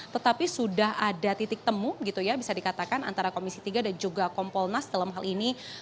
tetapi sudah ada titik temu gitu ya bisa dikatakan antara komisi tiga dan juga kompolnas dalam hal ini